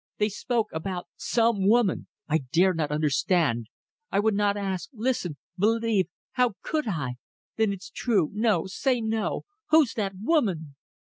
They spoke about some woman. I dared not understand. I would not ask ... listen ... believe! How could I? Then it's true. No. Say no. ... Who's that woman?"